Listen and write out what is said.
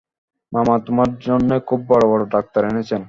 মামা তোমার জন্যে খুব বড়-বড় ডাক্তার এনেছেন।